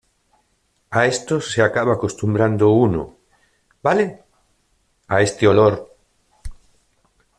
a esto se acaba acostumbrando uno, ¿ vale? a este olor.